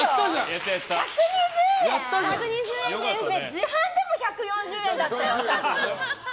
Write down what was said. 自販でも１４０円だったよさっき。